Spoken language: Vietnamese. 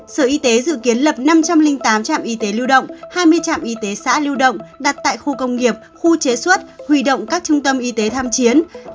sở y tế dự kiến lập năm trăm linh tám trạm y tế lưu động hai mươi trạm y tế xã lưu động đặt tại khu công nghiệp khu chế xuất hủy động các trung tâm y tế tham chiến